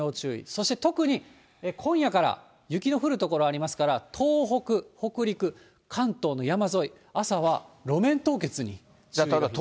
そして特に今夜から雪の降る所ありますから、東北、北陸、関東の山沿い、朝は路面凍結に注意です。